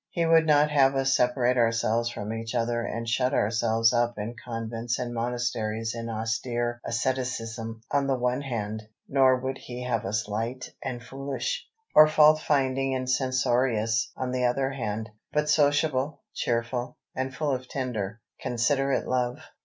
He would not have us separate ourselves from each other and shut ourselves up in convents and monasteries in austere asceticism on the one hand, nor would He have us light and foolish, or fault finding and censorious on the other hand, but sociable, cheerful, and full of tender, considerate love.